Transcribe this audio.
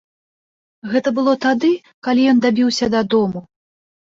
Гэта было тады, калі ён дабіўся дадому.